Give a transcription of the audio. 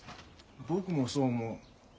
僕もそう思う。